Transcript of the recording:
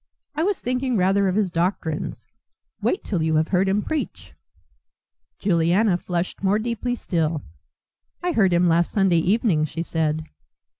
"I was thinking rather of his doctrines. Wait till you have heard him preach." Juliana flushed more deeply still. "I heard him last Sunday evening," she said.